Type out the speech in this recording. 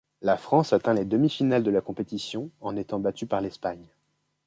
La France atteint les demi-finales de la compétition, en étant battue par l'Espagne.